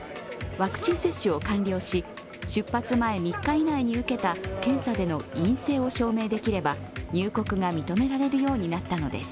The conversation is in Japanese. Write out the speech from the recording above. ワクチン接種を完了し出発前３日以内に受けた検査での陰性を証明できれば、入国が認められるようになったのです。